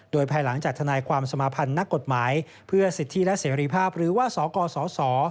โดยภายหลังจากทนายความสมาพันธ์นักกฎหมายเพื่อสิทธิและเสรีภาพหรือว่าสกสส